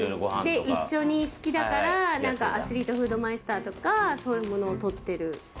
一緒に好きだからアスリートフードマイスターとかを取ってる。